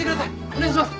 お願いします。